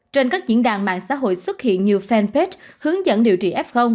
trên các diễn đàn mạng xã hội xuất hiện nhiều fanpage hướng dẫn điều trị f